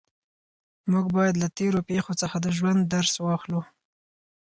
موږ باید له تېرو پېښو څخه د ژوند درس واخلو.